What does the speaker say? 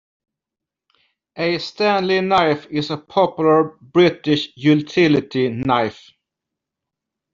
A Stanley knife is a popular British utility knife